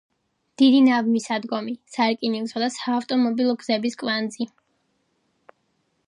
დიდი ნავმისადგომი, სარკინიგზო და საავტომობილო გზების კვანძი.